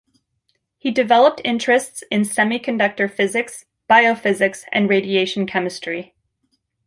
He developed interests in semiconductor physics, biophysics and radiation chemistry.